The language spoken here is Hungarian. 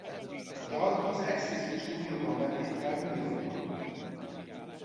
A dalt az Axis stúdióban vették fel New Yorkban.